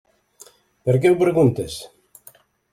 Per què ho preguntes?